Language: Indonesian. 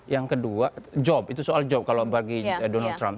yang kedua job itu soal job kalau bagi donald trump